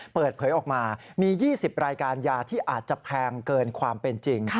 เปิดเผยออกมามี๒๐รายการยาที่อาจจะแพงเกินความเป็นจริง